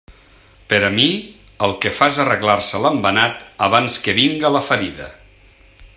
Per a mi, el que fa és arreglar-se l'embenat abans que vinga la ferida.